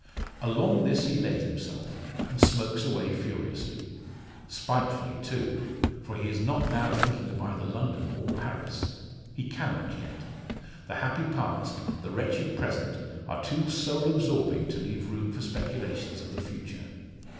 Along this he lays himself, and smokes away furiously. Spitefully, too; for he is not now thinking of either London or Paris. He cannot yet. The happy past, the wretched present, are too soul absorbing to leave room for speculations of the future.